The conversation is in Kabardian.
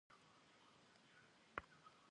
Bajjem ğue xuabe yi'eş.